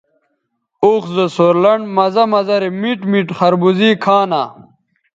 اوخ زو سور لنڈ مزہ مزہ رے میٹ میٹ خربوزے کھانہ